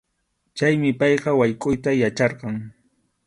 Chaymi payqa waykʼuyta yacharqan.